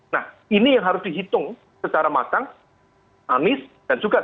nah ini yang harus dihitung secara matang anies dan juga